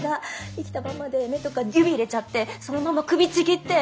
生きたままで目とかに指入れちゃってそのまま首ちぎって！